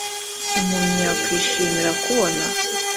impumyi yakwishimira kubona.